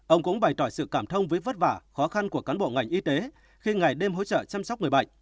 ông cũng bày tỏ sự cảm thông với vất vả khó khăn của cán bộ ngành y tế khi ngày đêm hỗ trợ chăm sóc người bệnh